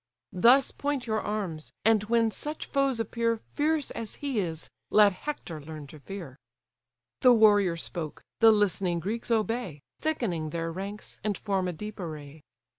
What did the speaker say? Thus point your arms; and when such foes appear, Fierce as he is, let Hector learn to fear." The warrior spoke; the listening Greeks obey, Thickening their ranks, and form a deep array.